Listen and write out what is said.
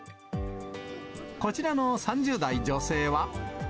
こちらの３０代女性は。